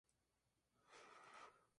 Vive en Indonesia, Malasia y Filipinas.